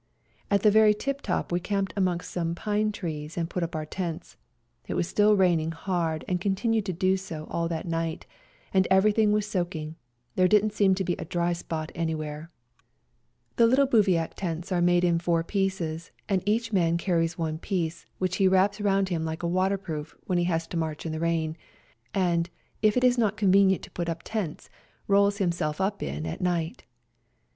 At the very tip top we camped amongst some pine trees and put up our tents ; it was still raining hard and continued to do so all that night, and everything was soaking — there didn't seem to be a dry spot anywhere. The little bivouac tents FIGHTING ON MOUNT CHUKUS 137 are made in four pieces, and each man carries one piece, which he wraps round him hke a waterproof when he has to march in the rain ; and, if it is not con venient to put up tents, rolls himself up in it at night.